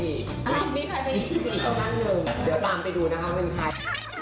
มีที่ต้องนั่งหนึ่งเดี๋ยวตามไปดูนะครับมีใคร